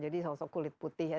jadi sosok kulit putih ya